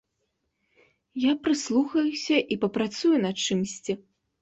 Я прыслухаюся і папрацую над чымсьці.